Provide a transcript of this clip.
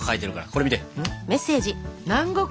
これ見て。